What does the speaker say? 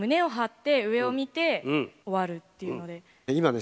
今ね